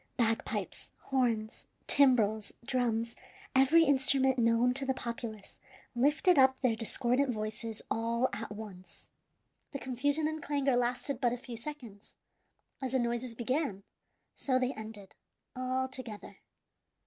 Bagpipes, horns, timbrels, drums, every instrument known to the populace, lifted up their discordant voices all at once. The confusion and clangor lasted but a few seconds. As the noises began, so they ended, all together.